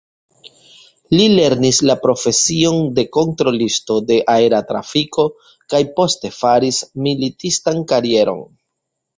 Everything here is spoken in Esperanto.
Li lernis la profesion de kontrolisto de aera trafiko kaj poste faris militistan karieron.